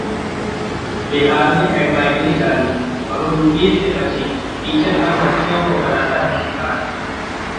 बिहार में एडवाइजरी जारी: बहुरूपिये से बचें, टीचर बन बच्चियों को बनाता है शिकार